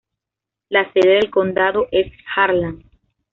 La sede del condado es Harlan.